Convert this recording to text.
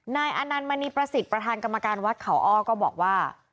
นายอนันต์มณีประสิทธิ์ประธานกรรมการวัดเขาอ้อก็บอกว่า